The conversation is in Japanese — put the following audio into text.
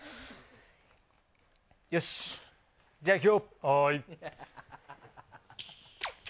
よし、じゃあいくよ。